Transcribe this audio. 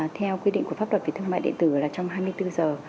theo quy định của pháp luật về thương mại điện tử là trong hai mươi bốn giờ